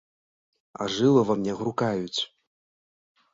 А жылы ва мне грукаюць.